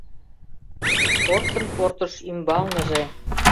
Порсын портыш ӱмбалныже